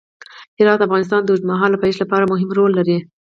هرات د افغانستان د اوږدمهاله پایښت لپاره مهم رول لري.